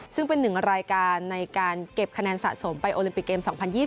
ซึ่งเป็นหนึ่งรายการในการเก็บคะแนนสะสมไปโอลิมปิกเกม๒๐๒๐